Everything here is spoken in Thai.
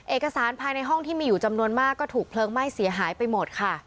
เอกสารภายในห้องที่มีอยู่จำนวนมากก็ถูกเพลิงไหม้เสียหายไปหมดค่ะ